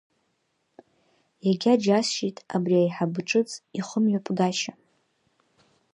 Иагьџьасшьеит абри аиҳаб ҿыц ихымҩаԥгашьа.